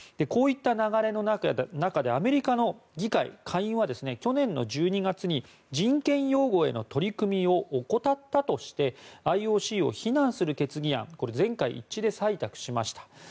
こういった流れの中でアメリカの議会下院は去年１２月に人権擁護への取り組みを怠ったとしてＩＯＣを非難する決議案を全会一致で採択しました。